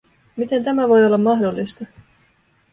Miten tämä voi olla mahdollista?